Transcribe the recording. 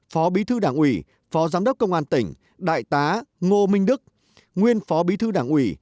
phó bí thư đảng ủy phó giám đốc công an tỉnh đại tá ngô minh đức nguyên phó bí thư đảng ủy